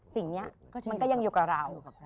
สิ่งนี้มันก็ยังอยู่กับเรา